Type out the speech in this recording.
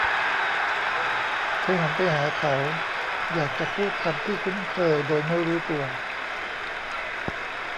เธอหันไปหาเขา; อยากจะพูดคำที่คุ้นเคยโดยไม่รู้ตัว